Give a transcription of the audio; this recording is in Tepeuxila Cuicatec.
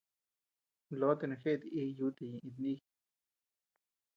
Lotee jeʼet yuta ñeʼe iti nïʼ.